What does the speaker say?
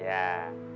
biasalah orang kaya